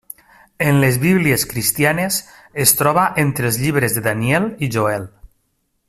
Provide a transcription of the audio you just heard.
En les bíblies cristianes es troba entre els llibres de Daniel i Joel.